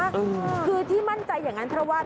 คือที่มั่นใจอย่างนั้นเพราะว่า